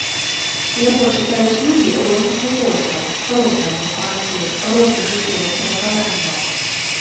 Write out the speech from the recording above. Яго чытаюць людзі розных узростаў, рознай адукацыі, розных жыццёвых перакананняў.